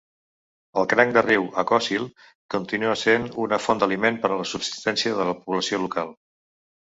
El cranc de riu "acocil" continua sent una font d'aliment per a la subsistència de la població local.